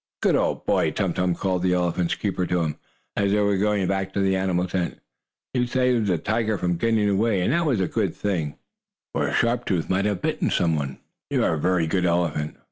"Good old boy, Tum Tum!" called the elephant's keeper to him, as they were going back to the animal tent. "You saved the tiger from getting away, and that was a good thing, for Sharp Tooth might have bitten someone. You are a very good elephant!"